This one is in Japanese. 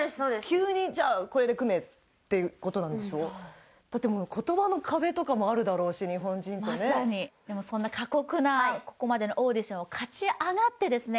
急にじゃあこれで組めっていうことなんでしょだってもう言葉の壁とかもあるだろうし日本人とねまさにでもそんな過酷なここまでのオーディションを勝ち上がってですね